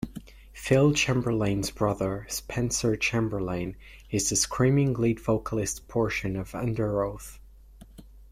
Phil Chamberlain's brother, Spencer Chamberlain, is the screaming lead vocalist portion of Underoath.